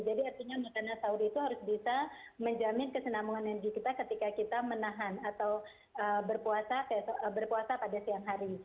jadi artinya makanan sahur itu harus bisa menjamin kesenamungan energi kita ketika kita menahan atau berpuasa pada siang hari